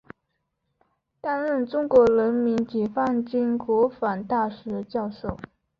担任中国人民解放军国防大学教授。